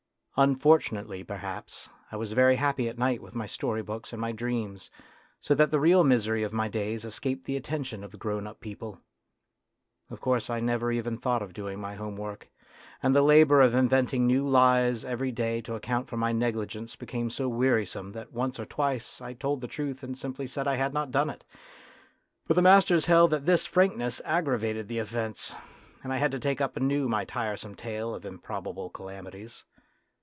Unfortunately, perhaps, I was very happy at night with my story books and my dreams, so that the real misery of my days escaped the attention of the grown up people. Of course I never even thought of doing my homework, and the labour of in A DRAMA OF YOUTH 25 venting new lies every day to account for my negligence became so wearisome that once or twice I told the truth and simply said I had not done it ; but the masters held that this frankness aggravated the offence, and I had to take up anew my tiresome tale of improbable calamities.